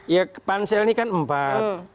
ya pansel ini kan empat